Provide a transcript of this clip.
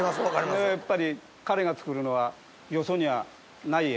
やっぱり彼が作るのはよそにはない。